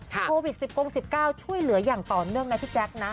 โควิด๑๙ช่วยเหลืออย่างต่อเนื่องนะพี่แจ๊คนะ